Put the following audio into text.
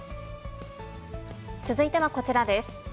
続いてはこちらです。